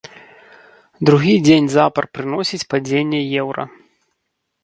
Другі дзень запар прыносіць падзенне еўра.